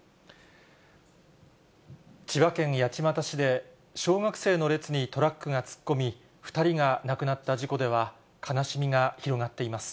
千葉県八街市で、小学生の列にトラックが突っ込み２人が亡くなった事故では、悲しみが広がっています。